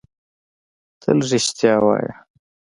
تل رښتیا وایۀ!